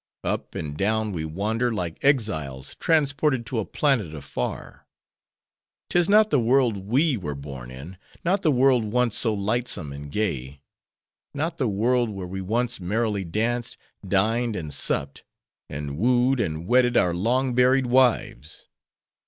Up and down we wander, like exiles transported to a planet afar:—'tis not the world we were born in; not the world once so lightsome and gay; not the world where we once merrily danced, dined, and supped; and wooed, and wedded our long buried wives.